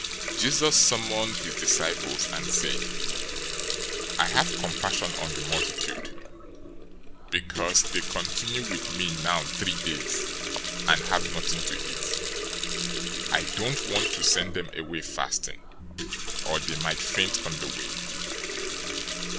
015:032 Jesus summoned his disciples and said, "I have compassion on the multitude, because they continue with me now three days and have nothing to eat. I don't want to send them away fasting, or they might faint on the way."